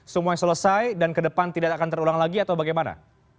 semuanya selesai dan ke depan tidak akan terulang lagi atau bagaimana